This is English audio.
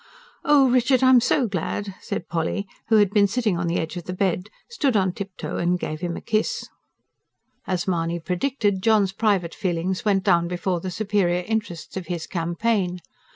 "Oh, Richard, I'm SO glad!" and Polly, who had been sitting on the edge of the bed, stood on tiptoe to give him a kiss. As Mahony predicted, John's private feelings went down before the superior interests of his campaign.